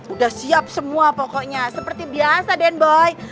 udah siap semua pokoknya seperti biasa den boy